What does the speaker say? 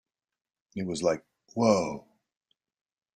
It was like, 'Whoa!